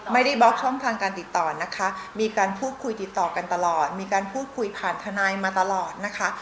บล็อกช่องทางการติดต่อนะคะมีการพูดคุยติดต่อกันตลอดมีการพูดคุยผ่านทนายมาตลอดนะคะ